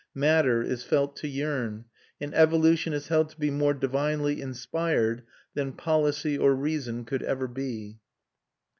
Matter is felt to yearn, and evolution is held to be more divinely inspired than policy or reason could ever be.